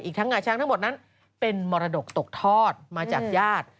ทั้งงาช้างทั้งหมดนั้นเป็นมรดกตกทอดมาจากญาติ